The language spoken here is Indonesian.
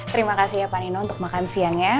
terima kasih ya panino untuk makan siangnya